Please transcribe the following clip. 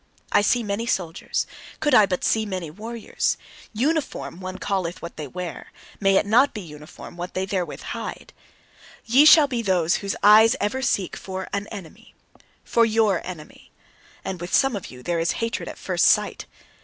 I see many soldiers; could I but see many warriors! "Uniform" one calleth what they wear; may it not be uniform what they therewith hide! Ye shall be those whose eyes ever seek for an enemy for YOUR enemy. And with some of you there is hatred at first sight.